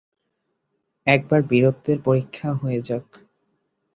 একবার বীরত্বের পরীক্ষা হয়ে যাক।